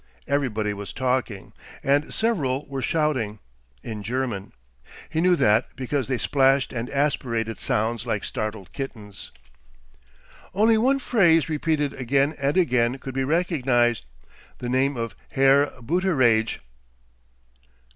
Everybody was talking, and several were shouting, in German; he knew that because they splashed and aspirated sounds like startled kittens. Only one phrase, repeated again and again could he recognize the name of "Herr Booteraidge."